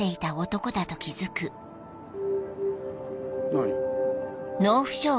何？